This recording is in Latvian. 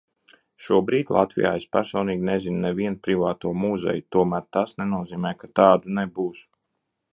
Šobrīd Latvijā es personīgi nezinu nevienu privāto muzeju, tomēr tas nenozīmē, ka tādu nebūs.